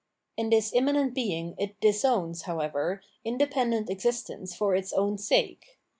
In this immanent being it disowns, however, independent exist ence for its own sake.